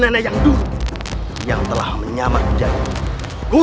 aku harus menggunakan ajem pabuk kasku